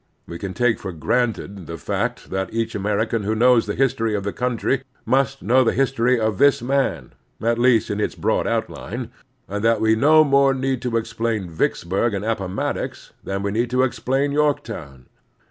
We can take for granted the fact that each American who knows the history of the coimtry mtist know the history of this man, at least in its broad outline; and that we no more need to explain Vicksbtirg and Appomattox than we need to explain York town.